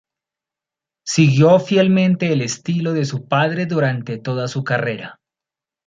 Siguió fielmente el estilo de su padre durante toda su carrera.